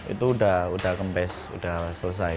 itu udah kempes sudah selesai